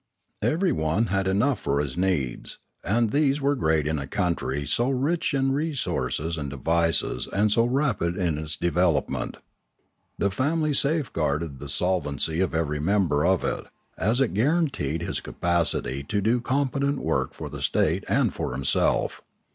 Everyone had enough for his needs, and these were great in a country so rich in resources and devices and so rapid in its development. The family safeguarded the solvency of every member of it, as it guaranteed his capacity to do competent work for the state and for himself.